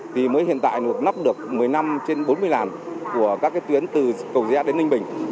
thì mới hiện tại được nắp được một mươi năm trên bốn mươi làn của các cái tuyến từ cầu dĩa đến ninh bình